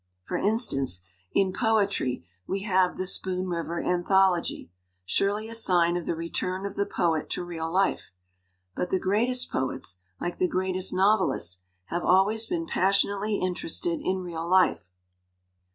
For instance, in poetry we have the Spoon River Anthology surely a sign of the return of the poet to real life. But the greatest poets, like the greatest novelists, have al ways been passionately interested in real life.